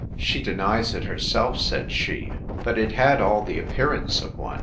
She denies it herself, said she; but it had all the appearance of one.